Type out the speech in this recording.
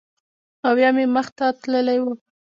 او یا مې مخ ته تللی و